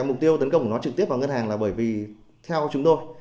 mục tiêu tấn công của nó trực tiếp vào ngân hàng là bởi vì theo chúng tôi